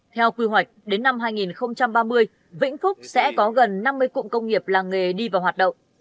theo quy hoạch đến năm hai nghìn ba mươi vĩnh phúc sẽ có gần năm mươi cụm công nghiệp làng nghề đi vào hoạt động